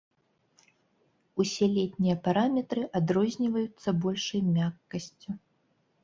Усе летнія параметры адрозніваюцца большай мяккасцю.